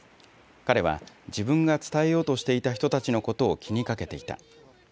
彼は自分が伝えようとしていた人たちのことを気にかけていた。